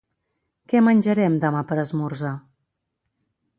Què menjarem demà per esmorzar?